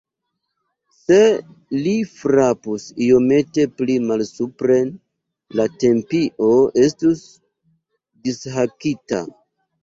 Se li frapus iomete pli malsupren, la tempio estus dishakita!